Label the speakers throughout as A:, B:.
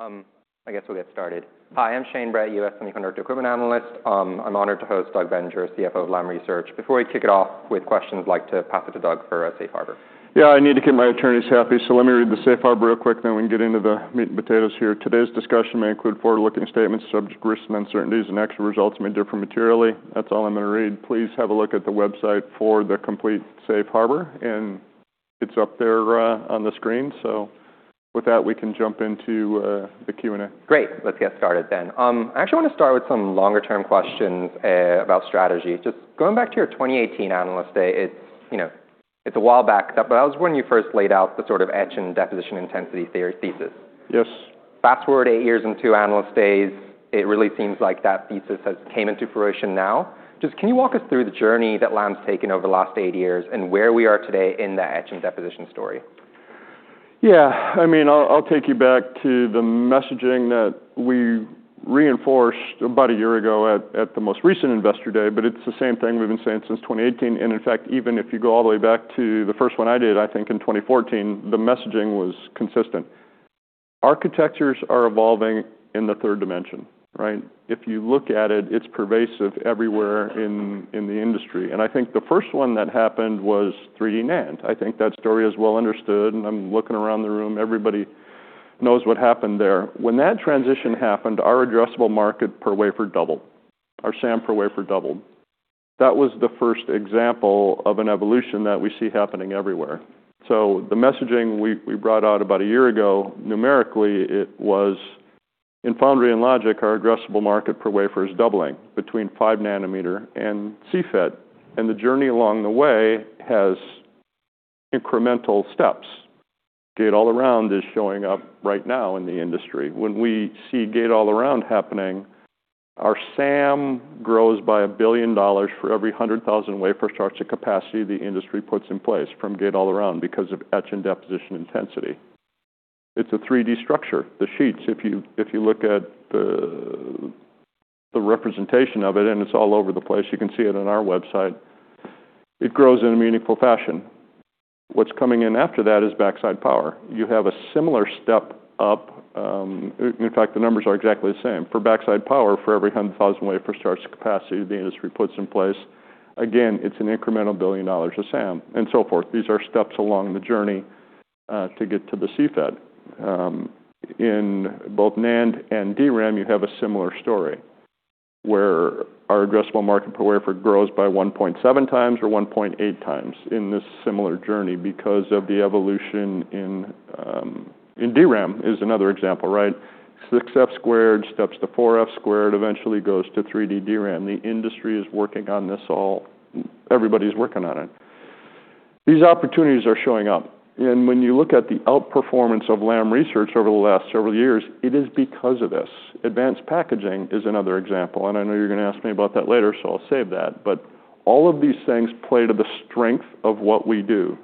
A: I guess we'll get started. Hi, I'm Shane Brett, U.S. semiconductor equipment analyst. I'm honored to host Doug Bettinger, CFO of Lam Research. Before we kick it off with questions, I'd like to pass it to Doug for a safe harbor.
B: Yeah, I need to get my attorneys happy, so let me read the safe harbor real quick, then we can get into the meat and potatoes here. Today's discussion may include forward-looking statements subject to risks and uncertainties, and actual results may differ materially. That's all I'm gonna read. Please have a look at the website for the complete safe harbor, and it's up there on the screen. With that, we can jump into the Q&A.
A: Great. Let's get started then. I actually wanna start with some longer term questions, about strategy. Just going back to your 2018 Analyst Day, it's, you know, it's a while back, but that was when you first laid out the sort of etch and deposition intensity thesis.
B: Yes.
A: Fast-forward eight years and two Analyst Days, it really seems like that thesis has came into fruition now. Just, can you walk us through the journey that Lam's taken over the last eight years and where we are today in the etch and deposition story?
B: Yeah. I mean, I'll take you back to the messaging that we reinforced about a year ago at the most recent Investor Day, but it's the same thing we've been saying since 2018. In fact, even if you go all the way back to the first one I did, I think in 2014, the messaging was consistent. Architectures are evolving in the third dimension, right? If you look at it's pervasive everywhere in the industry. I think the first one that happened was 3D NAND. I think that story is well understood, and I'm looking around the room, everybody knows what happened there. When that transition happened, our addressable market per wafer doubled. Our SAM per wafer doubled. That was the first example of an evolution that we see happening everywhere. The messaging we brought out about a year ago, numerically it was in foundry and logic, our addressable market per wafer is doubling between 5 nanometer and CFET. The journey along the way has incremental steps. Gate-all-around is showing up right now in the industry. When we see gate-all-around happening, our SAM grows by $1 billion for every 100,000 wafer starts at capacity the industry puts in place from gate-all-around because of etch and deposition intensity. It's a 3D structure, the sheets. If you look at the representation of it, and it's all over the place, you can see it on our website, it grows in a meaningful fashion. What's coming in after that is backside power. You have a similar step up, in fact, the numbers are exactly the same. For backside power, for every 100,000 wafer starts capacity the industry puts in place, again, it's an incremental $1 billion a SAM, and so forth. These are steps along the journey to get to the CFET. In both NAND and DRAM, you have a similar story where our addressable market per wafer grows by 1.7x or 1.8x in this similar journey because of the evolution in DRAM is another example, right? 6F² steps to 4F², eventually goes to 3D DRAM. The industry is working on this all. Everybody's working on it. These opportunities are showing up. When you look at the outperformance of Lam Research over the last several years, it is because of this. Advanced packaging is another example. I know you're gonna ask me about that later, I'll save that. All of these things play to the strength of what we do.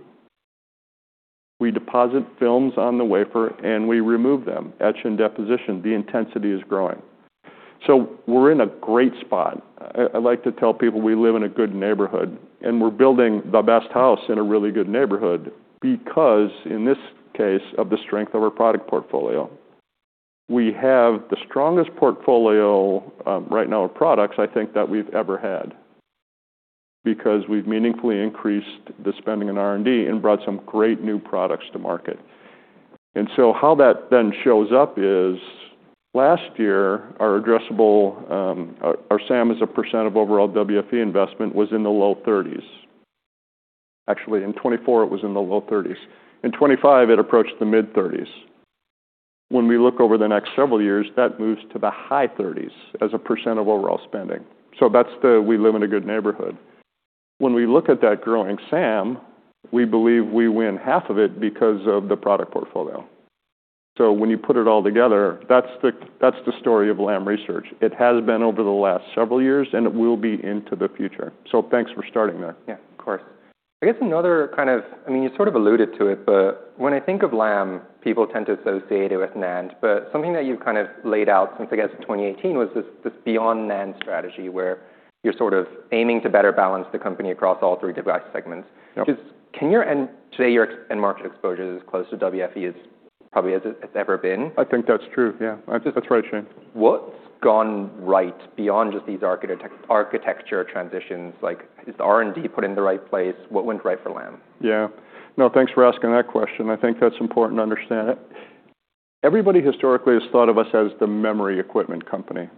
B: We deposit films on the wafer, we remove them. Etch and deposition, the intensity is growing. We're in a great spot. I like to tell people we live in a good neighborhood, we're building the best house in a really good neighborhood because, in this case, of the strength of our product portfolio. We have the strongest portfolio right now of products, I think, that we've ever had because we've meaningfully increased the spending in R&D and brought some great new products to market. How that shows up is last year, our addressable, our SAM as a percent of overall WFE investment was in the low 30s%. Actually, in 2024, it was in the low 30s%. In 2025, it approached the mid-30s%. When we look over the next several years, that moves to the high 30s% as a percent of overall spending. That's the "we live in a good neighborhood." When we look at that growing SAM, we believe we win half of it because of the product portfolio. When you put it all together, that's the story of Lam Research. It has been over the last several years, and it will be into the future. Thanks for starting there.
A: Yeah. Of course. I guess I mean, you sort of alluded to it, when I think of Lam, people tend to associate it with NAND. Something that you've kind of laid out since, I guess, 2018 was this beyond NAND strategy, where you're sort of aiming to better balance the company across all three device segments.
B: Yep.
A: Just, today, your end market exposure is as close to WFE as probably as it's ever been.
B: I think that's true. Yeah. I think that's right, Shane.
A: What's gone right beyond just these architecture transitions? Like, is the R&D put in the right place? What went right for Lam?
B: Yeah. No, thanks for asking that question. I think that's important to understand it. Everybody historically has thought of us as the memory equipment company.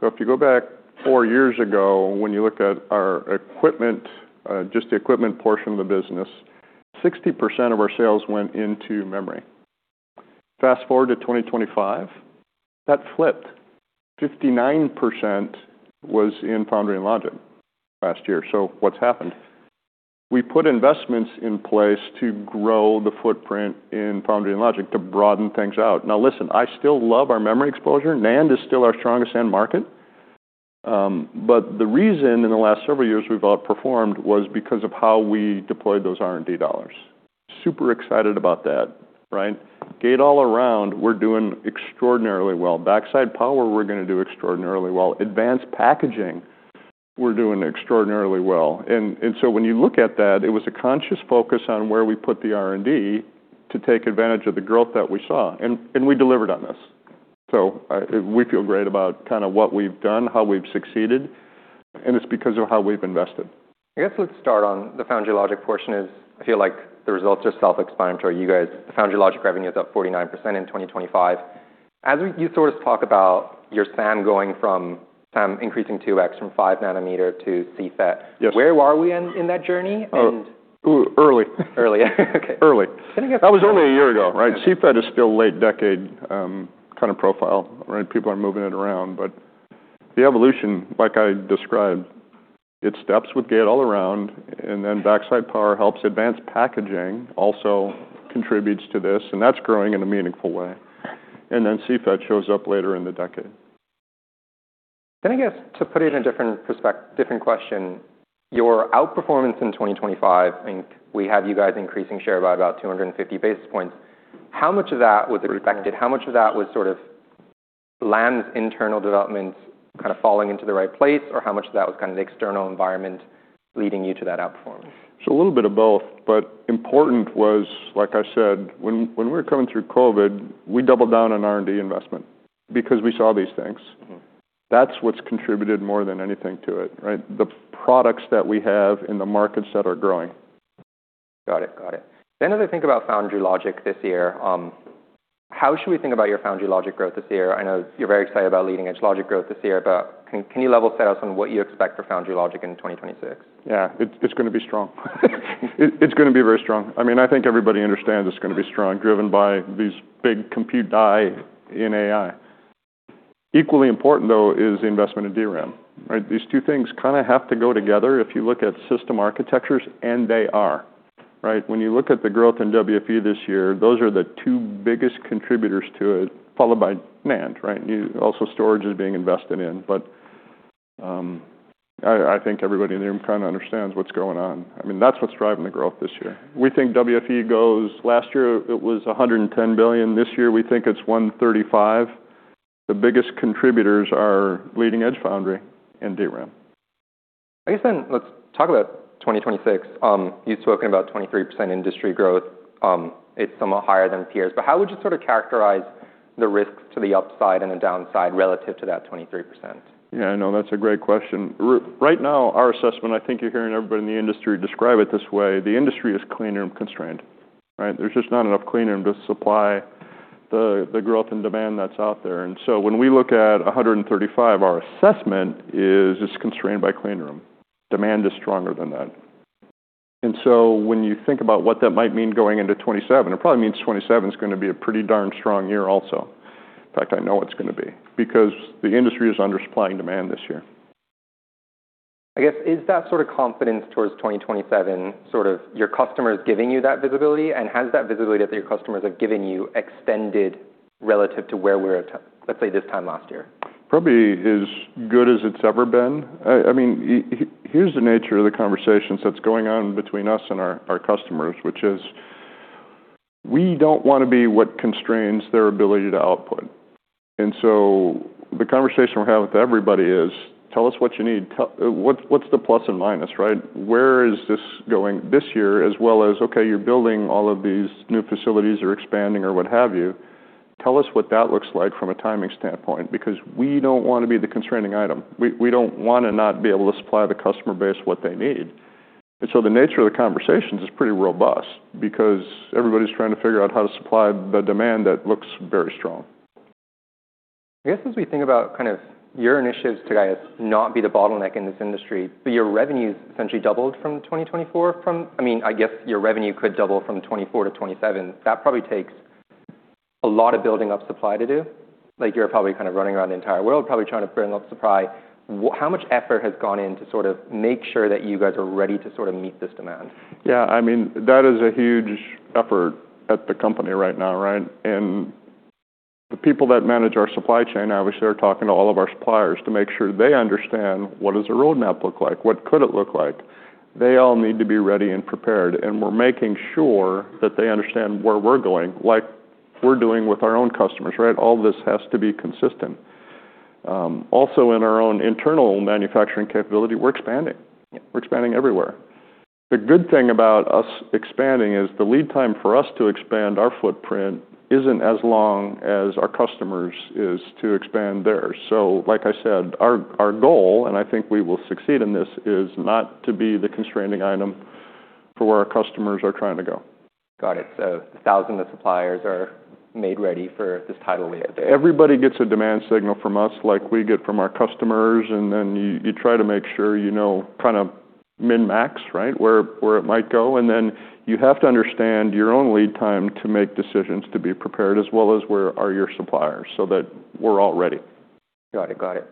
B: If you go back four years ago, when you looked at our equipment, just the equipment portion of the business, 60% of our sales went into memory. Fast-forward to 2025, that flipped. 59% was in foundry and logic last year. What's happened? We put investments in place to grow the footprint in foundry and logic to broaden things out. Now, listen, I still love our memory exposure. NAND is still our strongest end market. The reason in the last several years we've outperformed was because of how we deployed those R&D dollars. Super excited about that, right? Gate-all-around, we're doing extraordinarily well. Backside power, we're gonna do extraordinarily well. Advanced packaging. We're doing extraordinarily well. When you look at that, it was a conscious focus on where we put the R&D to take advantage of the growth that we saw and we delivered on this. We feel great about kind of what we've done, how we've succeeded, and it's because of how we've invested.
A: I guess let's start on the Foundry Logic portion is I feel like the results are self-explanatory. The Foundry Logic revenue is up 49% in 2025. you sort of talk about your SAM going from some increasing 2x from 5 nanometer to CFET.
B: Yes.
A: Where are we in that journey?
B: Oh, ooh, early.
A: Early. Okay.
B: Early.
A: Can I get.
B: That was only a year ago, right? CFET is still late decade, kind of profile, right? People are moving it around. The evolution, like I described, it steps with gate-all-around, then backside power helps. Advanced packaging also contributes to this, that's growing in a meaningful way. CFET shows up later in the decade.
A: I guess to put it in a different question, your outperformance in 2025, and we have you guys increasing share by about 250 basis points. How much of that was expected? How much of that was sort of Lam's internal developments kind of falling into the right place? How much of that was kind of the external environment leading you to that outperformance?
B: A little bit of both, but important was, like I said, when we were coming through COVID, we doubled down on R&D investment because we saw these things.
A: Mm-hmm.
B: That's what's contributed more than anything to it, right? The products that we have and the markets that are growing.
A: Got it. Got it. As I think about Foundry Logic this year, how should we think about your Foundry Logic growth this year? I know you're very excited about leading-edge logic growth this year, but can you level set us on what you expect for Foundry Logic in 2026?
B: Yeah. It's gonna be strong. It's gonna be very strong. I mean, I think everybody understands it's gonna be strong, driven by these big compute die in AI. Equally important, though, is the investment in DRAM, right? These two things kind of have to go together if you look at system architectures, and they are, right? When you look at the growth in WFE this year, those are the two biggest contributors to it, followed by NAND, right? Also storage is being invested in. I think everybody in the room kind of understands what's going on. I mean, that's what's driving the growth this year. We think WFE Last year it was $110 billion. This year we think it's $135 billion. The biggest contributors are leading edge foundry and DRAM.
A: I guess let's talk about 2026. You've spoken about 23% industry growth. It's somewhat higher than peers. How would you sort of characterize the risks to the upside and the downside relative to that 23%?
B: Yeah, no, that's a great question. Right now, our assessment, I think you're hearing everybody in the industry describe it this way, the industry is clean room constrained, right? There's just not enough clean room to supply the growth and demand that's out there. When we look at 135, our assessment is it's constrained by clean room. Demand is stronger than that. When you think about what that might mean going into 2027, it probably means 2027 is gonna be a pretty darn strong year also. In fact, I know it's gonna be, because the industry is undersupplying demand this year.
A: I guess is that sort of confidence towards 2027 sort of your customers giving you that visibility? Has that visibility that your customers have given you extended relative to where we're at, let's say, this time last year?
B: Probably as good as it's ever been. I mean, here's the nature of the conversations that's going on between us and our customers, which is we don't wanna be what constrains their ability to output. The conversation we're having with everybody is, "Tell us what you need. What's, what's the plus and minus," right? Where is this going this year as well as, okay, you're building all of these new facilities or expanding or what have you. Tell us what that looks like from a timing standpoint, because we don't wanna be the constraining item. We don't wanna not be able to supply the customer base what they need. The nature of the conversations is pretty robust because everybody's trying to figure out how to supply the demand that looks very strong.
A: I guess as we think about kind of your initiatives to not be the bottleneck in this industry, but your revenue's essentially doubled from 2024. I mean, I guess your revenue could double from 2024 to 2027. That probably takes a lot of building up supply to do. Like, you're probably kind of running around the entire world, probably trying to bring up supply. How much effort has gone in to sort of make sure that you guys are ready to sort of meet this demand?
B: Yeah, I mean, that is a huge effort at the company right now, right? The people that manage our supply chain, obviously, are talking to all of our suppliers to make sure they understand what does the roadmap look like, what could it look like. They all need to be ready and prepared, and we're making sure that they understand where we're going, like we're doing with our own customers, right? All this has to be consistent. In our own internal manufacturing capability, we're expanding.
A: Yeah.
B: We're expanding everywhere. The good thing about us expanding is the lead time for us to expand our footprint isn't as long as our customers' is to expand theirs. Like I said, our goal, and I think we will succeed in this, is not to be the constraining item for where our customers are trying to go.
A: Got it. Thousands of suppliers are made ready for this tidal wave
B: Everybody gets a demand signal from us like we get from our customers, and then you try to make sure, you know, kind of min-max, right? Where it might go, and then you have to understand your own lead time to make decisions to be prepared as well as where are your suppliers so that we're all ready.
A: Got it. Got it.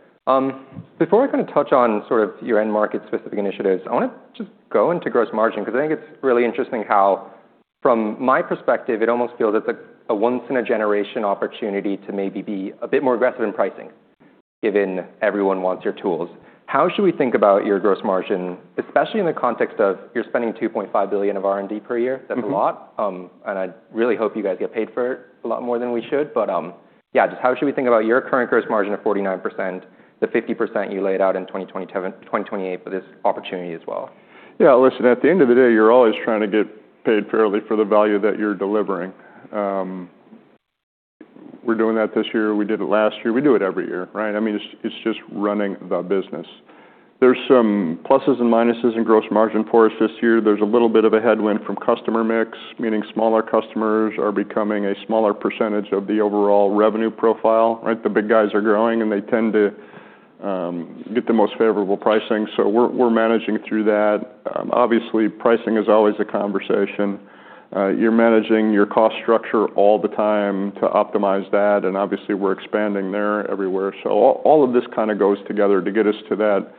A: Before we kind of touch on sort of your end market specific initiatives, I wanna just go into gross margin because I think it's really interesting how, from my perspective, it almost feels it's a once in a generation opportunity to maybe be a bit more aggressive in pricing, given everyone wants your tools. How should we think about your gross margin, especially in the context of you're spending $2.5 billion of R&D per year?
B: Mm-hmm.
A: That's a lot. I really hope you guys get paid for it a lot more than we should. Yeah. Just how should we think about your current gross margin of 49%, the 50% you laid out in 2027-2028 for this opportunity as well?
B: Listen, at the end of the day, you're always trying to get paid fairly for the value that you're delivering. We're doing that this year. We did it last year. We do it every year, right? I mean, it's just running the business. There's some pluses and minuses in gross margin for us this year. There's a little bit of a headwind from customer mix, meaning smaller customers are becoming a smaller percentage of the overall revenue profile, right? The big guys are growing, and they tend to get the most favorable pricing. We're managing through that. Obviously, pricing is always a conversation. You're managing your cost structure all the time to optimize that, and obviously, we're expanding there everywhere. All of this kind of goes together to get us to that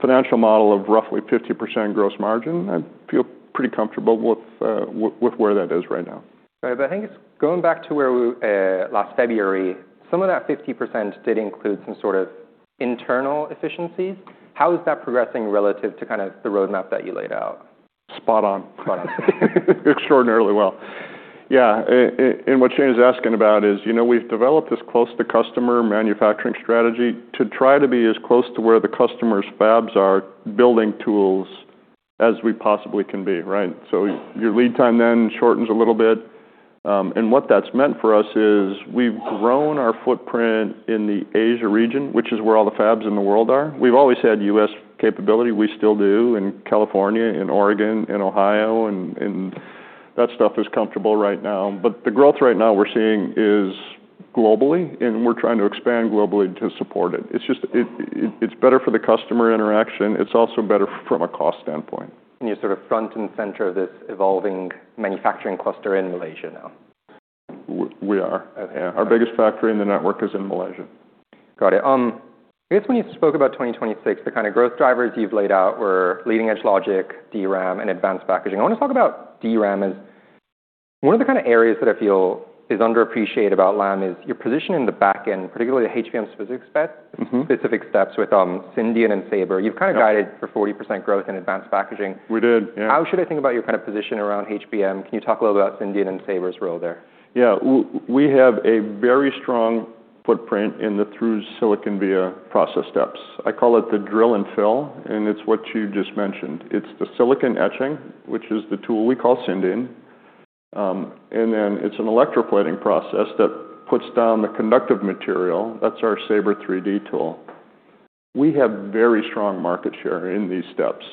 B: financial model of roughly 50% gross margin. I feel pretty comfortable with where that is right now.
A: Right. I think it's going back to where we last February, some of that 50% did include some sort of internal efficiencies. How is that progressing relative to kind of the roadmap that you laid out?
B: Spot on.
A: Spot on.
B: Extraordinarily well. Yeah. What Shane is asking about is, you know, we've developed this close-to-customer manufacturing strategy to try to be as close to where the customer's fabs are building tools as we possibly can be, right? Your lead time then shortens a little bit. What that's meant for us is we've grown our footprint in the Asia region, which is where all the fabs in the world are. We've always had U.S. capability. We still do in California, in Oregon, in Ohio, and that stuff is comfortable right now. The growth right now we're seeing is globally, and we're trying to expand globally to support it. It's just, it's better for the customer interaction. It's also better from a cost standpoint.
A: You're sort of front and center of this evolving manufacturing cluster in Malaysia now.
B: We are. Yeah.
A: Okay.
B: Our biggest factory in the network is in Malaysia.
A: Got it. I guess when you spoke about 2026, the kind of growth drivers you've laid out were leading-edge logic, DRAM, and advanced packaging. I wanna talk about DRAM as one of the kind of areas that I feel is underappreciated about Lam is your position in the back end, particularly the HBM-specific steps-
B: Mm-hmm....
A: specific steps with, Syndion and SABRE.
B: Yeah.
A: You've kind of guided for 40% growth in advanced packaging.
B: We did, yeah.
A: How should I think about your kind of position around HBM? Can you talk a little about Syndion and SABRE's role there?
B: We have a very strong footprint in the Through-silicon via process steps. I call it the drill and fill, and it's what you just mentioned. It's the silicon etching, which is the tool we call Syndion, and then it's an electroplating process that puts down the conductive material. That's our SABRE 3D tool. We have very strong market share in these steps.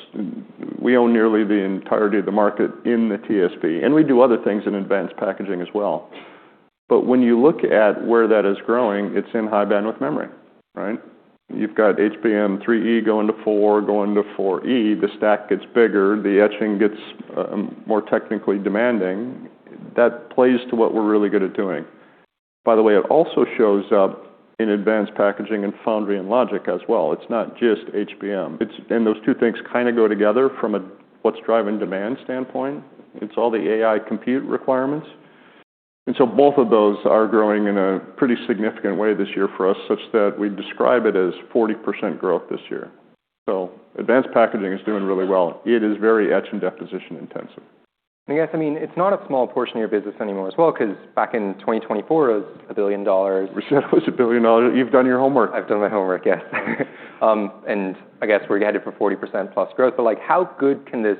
B: We own nearly the entirety of the market in the TSV, and we do other things in advanced packaging as well. When you look at where that is growing, it's in high bandwidth memory, right? You've got HBM3E going to four, going to 4E. The stack gets bigger. The etching gets more technically demanding. That plays to what we're really good at doing. By the way, it also shows up in advanced packaging and foundry and logic as well. It's not just HBM. Those two things kind of go together from a what's driving demand standpoint. It's all the AI compute requirements. Both of those are growing in a pretty significant way this year for us, such that we describe it as 40% growth this year. Advanced packaging is doing really well. It is very etch and deposition intensive.
A: I guess, I mean, it's not a small portion of your business anymore as well, 'cause back in 2024 it was $1 billion.
B: You said it was $1 billion. You've done your homework.
A: I've done my homework, yes. I guess we're guided for 40%+ growth. Like, how good can this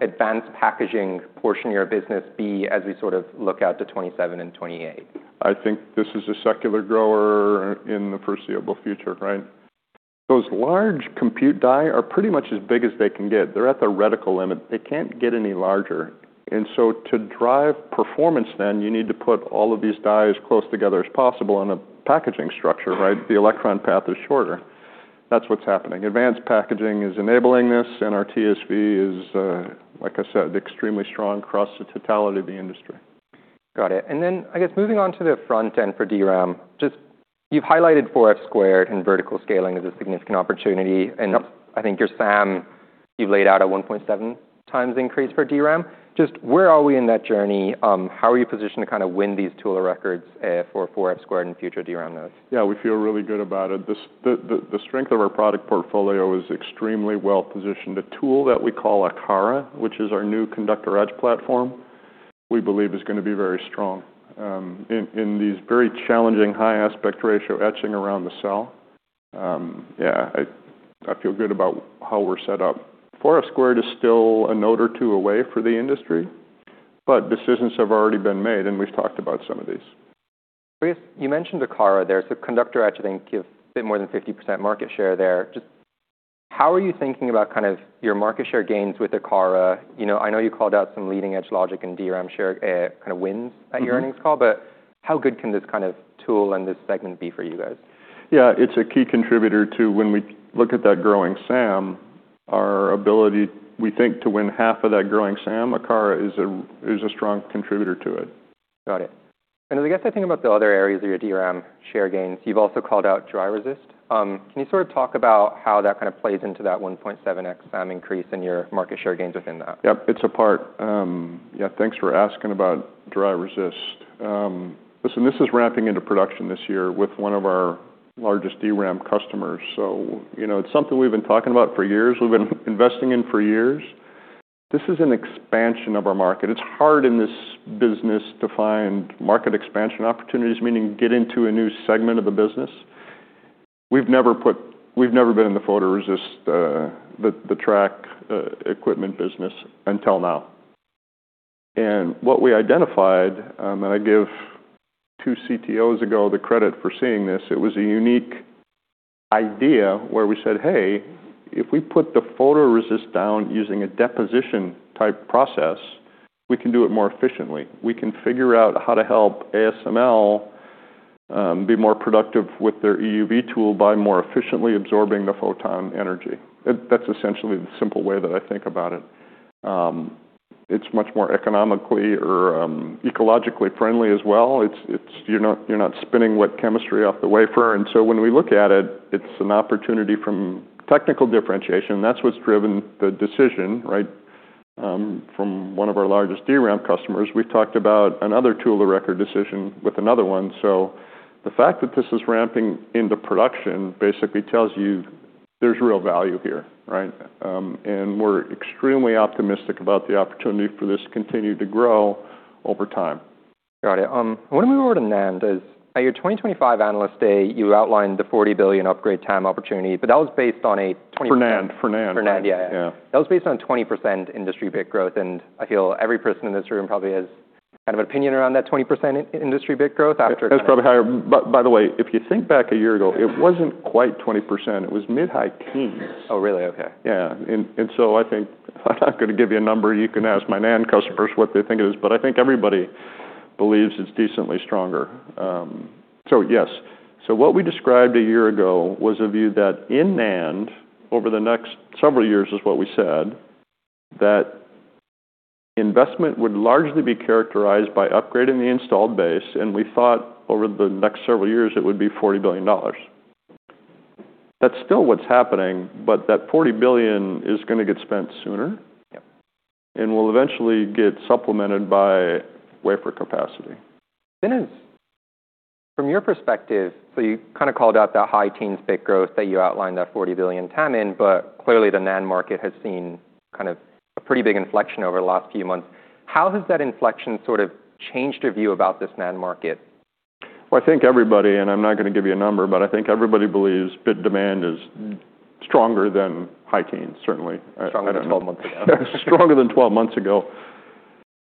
A: advanced packaging portion of your business be as we sort of look out to 2027 and 2028?
B: I think this is a secular grower in the foreseeable future, right? Those large compute die are pretty much as big as they can get. They're at the reticle limit. They can't get any larger. To drive performance then, you need to put all of these dies close together as possible in a packaging structure, right? The electron path is shorter. That's what's happening. Advanced packaging is enabling this, and our TSV is, like I said, extremely strong across the totality of the industry.
A: Got it. I guess moving on to the front end for DRAM, just you've highlighted 4F² and vertical scaling as a significant opportunity.
B: Yep.
A: I think your SAM, you've laid out a 1.7x increase for DRAM. Just where are we in that journey? How are you positioned to kind of win these tool records for 4F² and future DRAM nodes?
B: Yeah, we feel really good about it. The strength of our product portfolio is extremely well-positioned. The tool that we call Akara, which is our new conductor etch platform, we believe is gonna be very strong in these very challenging high aspect ratio etching around the cell. Yeah, I feel good about how we're set up. 4F² is still a node or two away for the industry. Decisions have already been made, and we've talked about some of these.
A: I guess you mentioned Akara there. Conductor etch, I think you have a bit more than 50% market share there. Just how are you thinking about kind of your market share gains with Akara? You know, I know you called out some leading-edge logic and DRAM share, kind of wins at your earnings call.
B: Mm-hmm.
A: How good can this kind of tool and this segment be for you guys?
B: It's a key contributor to when we look at that growing SAM, our ability, we think, to win half of that growing SAM, Akara is a strong contributor to it.
A: Got it. I guess I think about the other areas of your DRAM share gains. You've also called out dry resist. Can you sort of talk about how that kind of plays into that 1.7x SAM increase in your market share gains within that?
B: Yep, it's a part. Yeah, thanks for asking about dry resist. Listen, this is ramping into production this year with one of our largest DRAM customers. You know, it's something we've been talking about for years, we've been investing in for years. This is an expansion of our market. It's hard in this business to find market expansion opportunities, meaning get into a new segment of the business. We've never been in the photoresist, the track, equipment business until now. What we identified, and I give two CTOs ago the credit for seeing this, it was a unique idea where we said, "Hey, if we put the photoresist down using a deposition type process, we can do it more efficiently. We can figure out how to help ASML be more productive with their EUV tool by more efficiently absorbing the photon energy. That's essentially the simple way that I think about it. It's much more economically or ecologically friendly as well. You're not spinning wet chemistry off the wafer. When we look at it's an opportunity from technical differentiation. That's what's driven the decision, right? From one of our largest DRAM customers. We've talked about another tool of the record decision with another one. The fact that this is ramping into production basically tells you there's real value here, right? We're extremely optimistic about the opportunity for this to continue to grow over time.
A: Got it. When we move over to NAND is at your 2025 Analyst Day, you outlined the $40 billion upgrade TAM opportunity, but that was based on a twenty-
B: For NAND.
A: For NAND, yeah.
B: Yeah.
A: That was based on 20% industry bit growth. I feel every person in this room probably has an opinion around that 20% industry bit growth after.
B: It's probably higher. By the way, if you think back a year ago, it wasn't quite 20%. It was mid high teens.
A: Oh, really? Okay.
B: Yeah. I think I'm not gonna give you a number. You can ask my NAND customers what they think it is, but I think everybody believes it's decently stronger. Yes. What we described a year ago was a view that in NAND, over the next several years is what we said, that investment would largely be characterized by upgrading the installed base, and we thought over the next several years it would be $40 billion. That's still what's happening, but that $40 billion is gonna get spent sooner.
A: Yep.
B: Will eventually get supplemented by wafer capacity.
A: It is. From your perspective, you kind of called out that high teens bit growth, that you outlined that $40 billion TAM in, but clearly the NAND market has seen kind of a pretty big inflection over the last few months. How has that inflection sort of changed your view about this NAND market?
B: Well, I think everybody, and I'm not gonna give you a number, but I think everybody believes bit demand is stronger than high teens, certainly. I don't.
A: Stronger than 12 months ago.
B: Stronger than 12 months ago,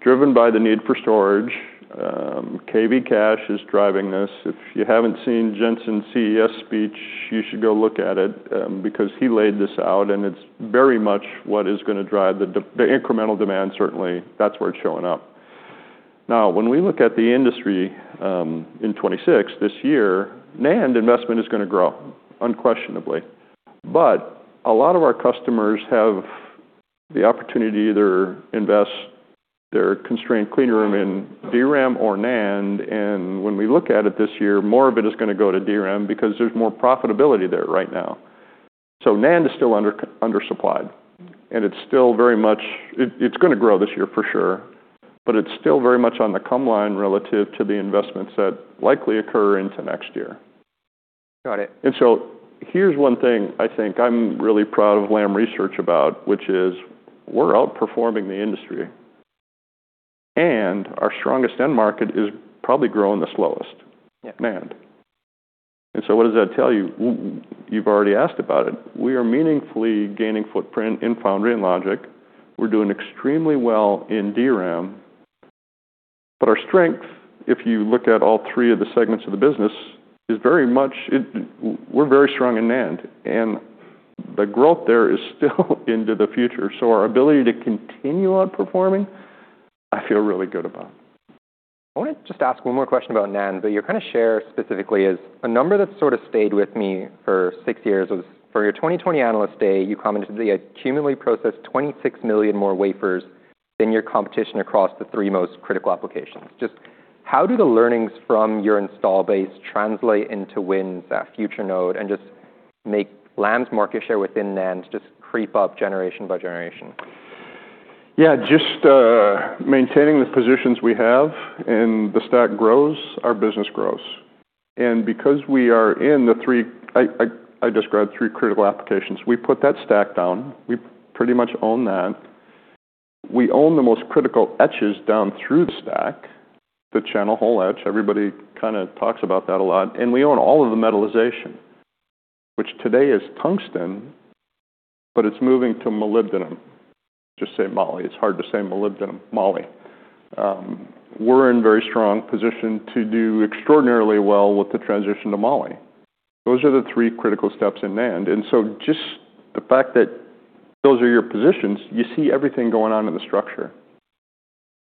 B: driven by the need for storage. KB cache is driving this. If you haven't seen Jensen's CES speech, you should go look at it, because he laid this out and it's very much what is gonna drive the incremental demand, certainly that's where it's showing up. When we look at the industry, in 2026, this year, NAND investment is gonna grow unquestionably. A lot of our customers have the opportunity to either invest their constrained clean room in DRAM or NAND, and when we look at it this year, more of it is gonna go to DRAM because there's more profitability there right now. NAND is still undersupplied, and it's still very much... It's gonna grow this year for sure, but it's still very much on the come line relative to the investments that likely occur into next year.
A: Got it.
B: Here's one thing I think I'm really proud of Lam Research about, which is we're outperforming the industry, and our strongest end market is probably growing the slowest.
A: Yeah.
B: NAND. What does that tell you? You've already asked about it. We are meaningfully gaining footprint in foundry and logic. We're doing extremely well in DRAM. Our strength, if you look at all three of the segments of the business, is very much We're very strong in NAND, and the growth there is still into the future. Our ability to continue outperforming, I feel really good about.
A: I wanna just ask one more question about NAND, but your kind of share specifically is a number that sort of stayed with me for six years was for your 2020 Analyst Day, you commented that you had cumulatively processed 26 million more wafers than your competition across the three most critical applications. Just how do the learnings from your install base translate into wins at future node and just make Lam's market share within NAND just creep up generation by generation?
B: Yeah. Just maintaining the positions we have and the stack grows, our business grows. Because we are in the three... I described three critical applications. We put that stack down. We pretty much own that. We own the most critical etches down through the stack, the channel hole etch. Everybody kind of talks about that a lot. We own all of the metallization, which today is tungsten, but it's moving to molybdenum. Just say moly. It's hard to say molybdenum. Moly. We're in very strong position to do extraordinarily well with the transition to moly. Those are the three critical steps in NAND. Just the fact that those are your positions, you see everything going on in the structure.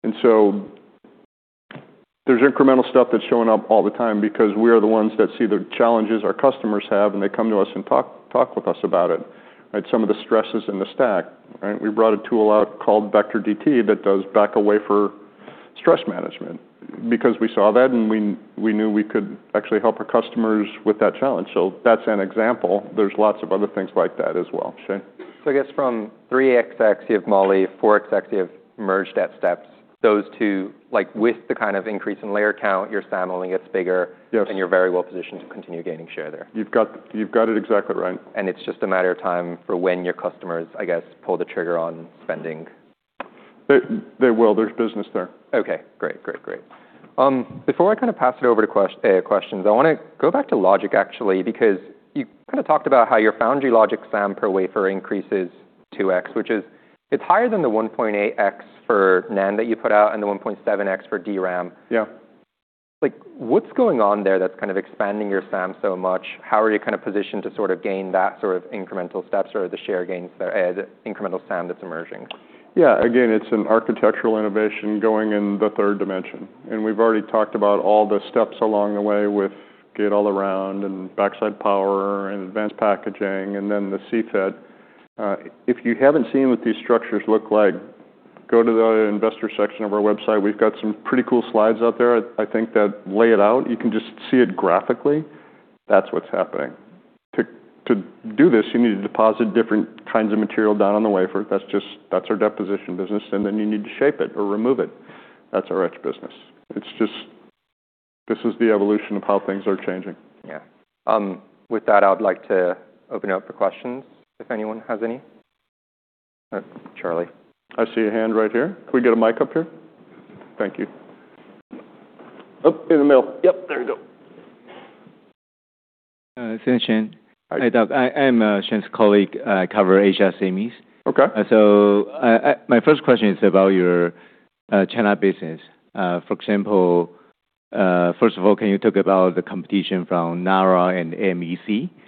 B: There's incremental stuff that's showing up all the time because we are the ones that see the challenges our customers have, and they come to us and talk with us about it, right? Some of the stresses in the stack, right? We brought a tool out called VECTOR DT that does back a wafer stress management because we saw that and we knew we could actually help our customers with that challenge. That's an example. There's lots of other things like that as well. Shane.
A: I guess from 3x active moly, 4x active merge debt steps, those two, like, with the kind of increase in layer count, your SAM only gets bigger.
B: Yes.
A: You're very well positioned to continue gaining share there.
B: You've got it exactly right.
A: It's just a matter of time for when your customers, I guess, pull the trigger on spending.
B: They will. There's business there.
A: Okay, great. Before I kind of pass it over to questions, I wanna go back to logic actually, because you kind of talked about how your foundry logic SAM per wafer increases 2x, which is, it's higher than the 1.8x for NAND that you put out and the 1.7x for DRAM.
B: Yeah.
A: Like, what's going on there that's kind of expanding your SAM so much? How are you kind of positioned to sort of gain that sort of incremental steps or the share gains there as incremental SAM that's emerging?
B: Yeah, again, it's an architectural innovation going in the third dimension. We've already talked about all the steps along the way with gate-all-around and backside power and advanced packaging, and then the CFET. If you haven't seen what these structures look like, go to the investor section of our website. We've got some pretty cool slides out there, I think, that lay it out. You can just see it graphically. That's what's happening. To do this, you need to deposit different kinds of material down on the wafer. That's our deposition business, and then you need to shape it or remove it. That's our etch business. It's just this is the evolution of how things are changing.
A: Yeah. With that, I would like to open it up for questions if anyone has any. Charlie. I see a hand right here. Can we get a mic up here? Thank you. Oh, in the middle. Yep, there you go.
C: Shane.
A: Hi.
C: Hi, Doug. I am Shane's colleague. I cover Asia SEMIs.
B: Okay.
C: My first question is about your China business. For example, first of all, can you talk about the competition from NAURA and MEC?
B: Sure.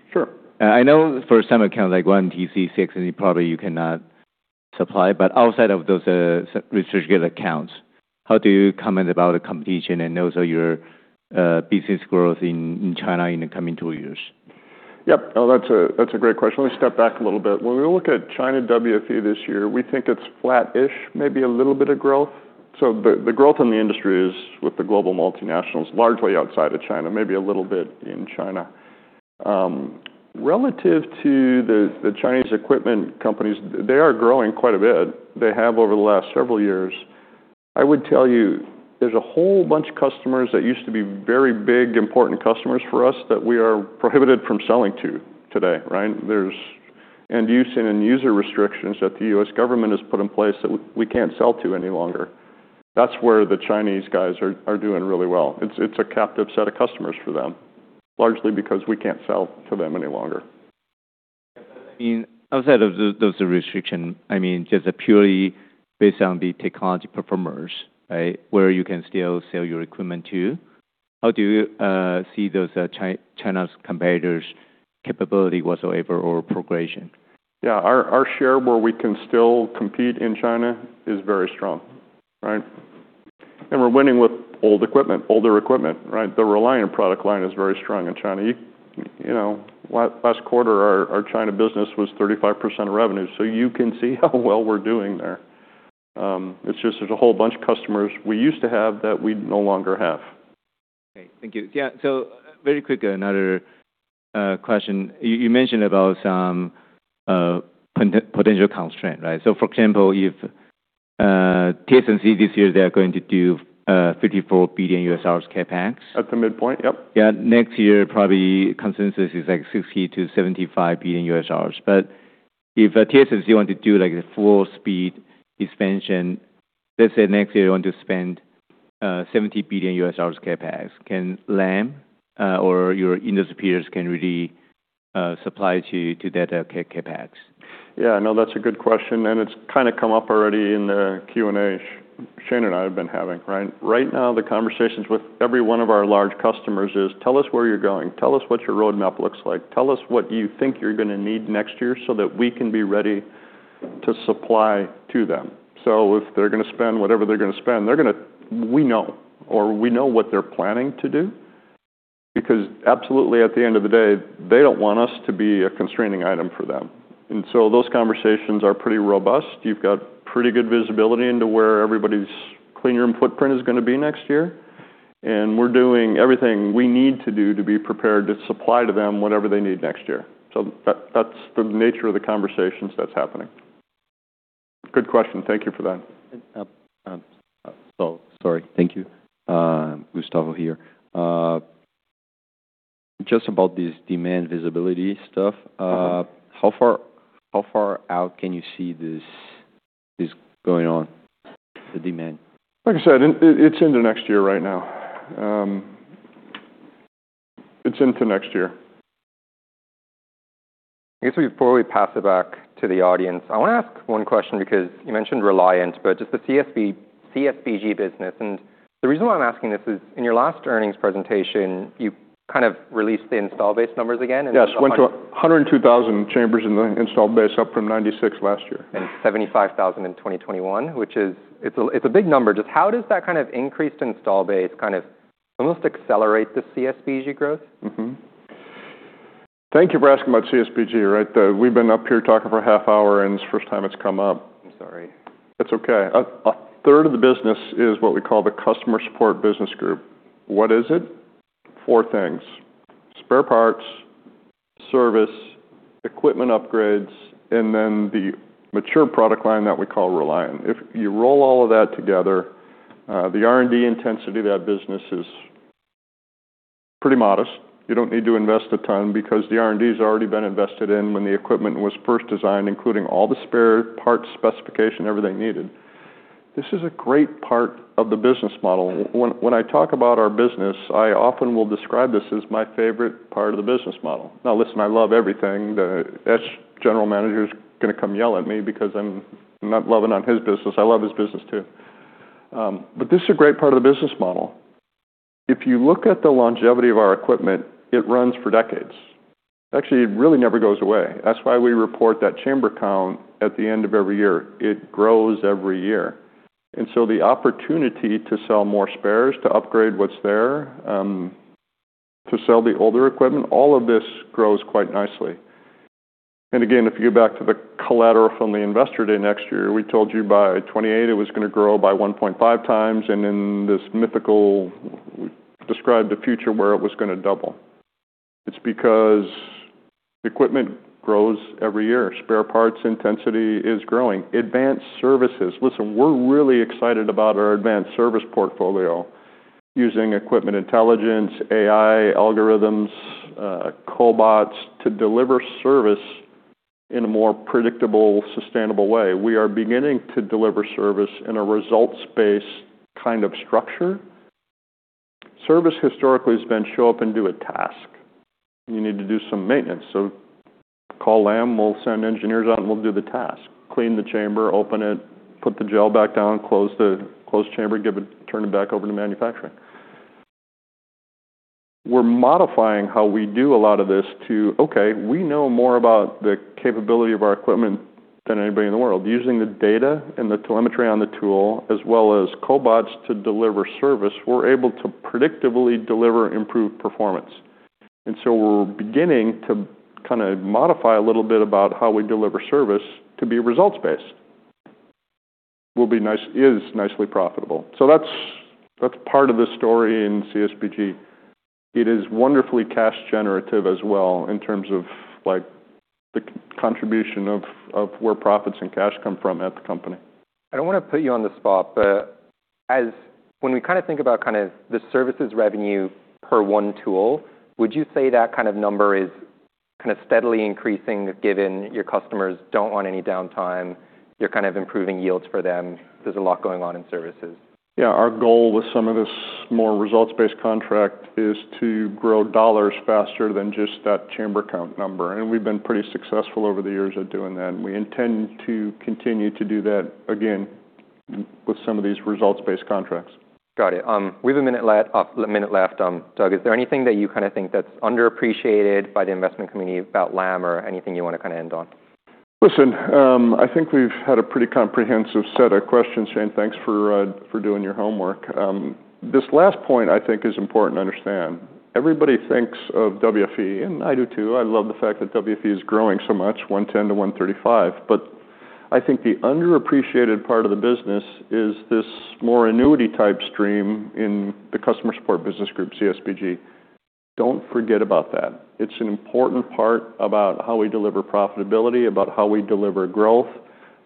C: I know for some accounts like ONTC, CX, and probably you cannot supply, but outside of those restricted accounts, how do you comment about the competition and those are your business growth in China in the coming two years?
B: Yep. No, that's a great question. Let me step back a little bit. When we look at China WFE this year, we think it's flat-ish, maybe a little bit of growth. The growth in the industry is with the global multinationals, largely outside of China, maybe a little bit in China. Relative to the Chinese equipment companies, they are growing quite a bit. They have over the last several years. I would tell you there's a whole bunch of customers that used to be very big, important customers for us that we are prohibited from selling to today, right? There's end use and end user restrictions that the U.S. government has put in place that we can't sell to any longer. That's where the Chinese guys are doing really well. It's a captive set of customers for them, largely because we can't sell to them any longer.
C: I mean, outside of those restriction, I mean, just purely based on the technology performers, right, where you can still sell your equipment to, how do you see those China's competitors' capability whatsoever or progression?
B: Our, our share where we can still compete in China is very strong, right? We're winning with old equipment, older equipment, right? The Reliant product line is very strong in China. You know, last quarter, our China business was 35% of revenue, you can see how well we're doing there. It's just there's a whole bunch of customers we used to have that we no longer have.
C: Okay. Thank you. Very quick, another question. You, you mentioned about some potential constraint, right? For example, if TSMC this year, they're going to do $54 billion CapEx.
B: At the midpoint, yep.
C: Yeah. Next year, probably consensus is like $60 billion-$75 billion. If TSMC want to do like a full speed expansion, let's say next year they want to spend $70 billion CapEx, can Lam or your industry peers can really supply to that CapEx?
B: No, that's a good question, and it's kind of come up already in the Q&A Shane and I have been having, right? Right now, the conversations with every one of our large customers is, "Tell us where you're going. Tell us what your roadmap looks like. Tell us what you think you're gonna need next year so that we can be ready to supply to them." If they're gonna spend whatever they're gonna spend, we know what they're planning to do because absolutely, at the end of the day, they don't want us to be a constraining item for them. Those conversations are pretty robust. You've got pretty good visibility into where everybody's clean room footprint is gonna be next year, and we're doing everything we need to do to be prepared to supply to them whatever they need next year. That's the nature of the conversations that's happening. Good question. Thank you for that.
C: So sorry. Thank you. Gustavo here. Just about this demand visibility stuff.
B: Mm-hmm.
C: How far out can you see this going on, the demand?
B: Like I said, it's into next year right now. It's into next year.
A: I guess before we pass it back to the audience, I wanna ask one question because you mentioned Reliant, but just the CSBG business. The reason why I'm asking this is in your last earnings presentation, you kind of released the install base numbers again.
B: Yes, it went to 102,000 chambers in the installed base up from 96 last year.
A: 75,000 in 2021. It's a big number. Just how does that kind of increased install base kind of almost accelerate the CSBG growth?
B: Thank you for asking about CSBG, right? We've been up here talking for half hour. It's the first time it's come up.
A: I'm sorry.
B: It's okay. A third of the business is what we call the Customer Support Business Group. What is it? Four things, spare parts, service, equipment upgrades, the mature product line that we call Reliant. If you roll all of that together, the R&D intensity of that business is pretty modest. You don't need to invest a ton because the R&D's already been invested in when the equipment was first designed, including all the spare parts, specification, everything needed. This is a great part of the business model. When I talk about our business, I often will describe this as my favorite part of the business model. Listen, I love everything. The etch general manager is gonna come yell at me because I'm not loving on his business. I love his business too. This is a great part of the business model. If you look at the longevity of our equipment, it runs for decades. Actually, it really never goes away. That's why we report that chamber count at the end of every year. It grows every year. The opportunity to sell more spares, to upgrade what's there, to sell the older equipment, all of this grows quite nicely. Again, if you go back to the collateral from the investor day next year, we told you by 2028 it was gonna grow by 1.5x, and in this described the future where it was gonna double. It's because equipment grows every year. Spare parts intensity is growing. Advanced services. Listen, we're really excited about our advanced service portfolio using equipment intelligence, AI, algorithms, cobots to deliver service in a more predictable, sustainable way. We are beginning to deliver service in a results-based kind of structure. Service historically has been show up and do a task. You need to do some maintenance, so call Lam, we'll send engineers out, and we'll do the task. Clean the chamber, open it, put the gel back down, close the closed chamber, turn it back over to manufacturing. We're modifying how we do a lot of this to, okay, we know more about the capability of our equipment than anybody in the world. Using the data and the telemetry on the tool, as well as cobots to deliver service, we're able to predictably deliver improved performance. We're beginning to kinda modify a little bit about how we deliver service to be results-based. Is nicely profitable. That's part of the story in CSBG. It is wonderfully cash generative as well in terms of, like, the contribution of where profits and cash come from at the company.
A: I don't wanna put you on the spot, but as when we kinda think about kinda the services revenue per one tool, would you say that kind of number is kinda steadily increasing given your customers don't want any downtime, you're kind of improving yields for them, there's a lot going on in services?
B: Yeah. Our goal with some of this more results-based contract is to grow dollars faster than just that chamber count number. We've been pretty successful over the years at doing that. We intend to continue to do that again with some of these results-based contracts.
A: Got it. We have one minute left. Doug, is there anything that you kinda think that's underappreciated by the investment community about Lam or anything you wanna kinda end on?
B: Listen, I think we've had a pretty comprehensive set of questions, Shane. Thanks for doing your homework. This last point I think is important to understand. Everybody thinks of WFE, and I do too. I love the fact that WFE is growing so much, $110 billion-$135 billion. I think the underappreciated part of the business is this more annuity type stream in the Customer Support Business Group, CSBG. Don't forget about that. It's an important part about how we deliver profitability, about how we deliver growth,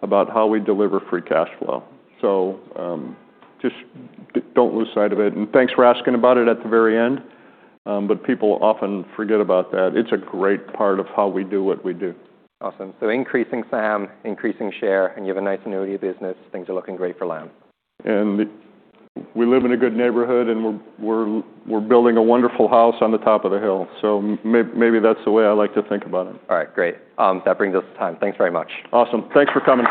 B: about how we deliver free cash flow. Just don't lose sight of it, and thanks for asking about it at the very end. People often forget about that. It's a great part of how we do what we do.
A: Awesome. Increasing SAM, increasing share, and you have a nice annuity business. Things are looking great for Lam.
B: We live in a good neighborhood, and we're building a wonderful house on the top of the hill. Maybe that's the way I like to think about it.
A: All right. Great. That brings us to time. Thanks very much.
B: Awesome. Thanks for coming.